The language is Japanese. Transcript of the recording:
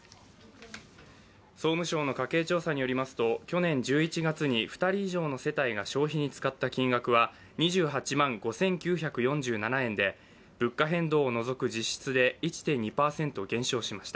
総務省の家計調査によりますと去年１１月に２人以上の世帯が消費に使った金額は２８万５９４７円で物価変動を除く実質で１．２％減少しました。